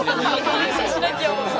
感謝しなきゃ。